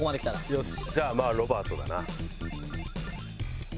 よしじゃあロバートだな。